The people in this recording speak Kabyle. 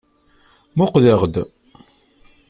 Muqleɣ-d!